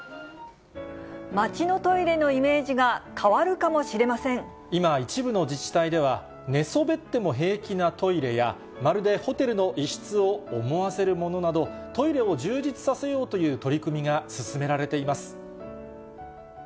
町のトイレのイメージが変わ今、一部の自治体では、寝そべっても平気なトイレや、まるでホテルの一室を思わせるものなど、トイレを充実させようという取り組みが進められています。